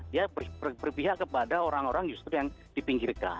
dia berpihak kepada orang orang justru yang dipinggirkan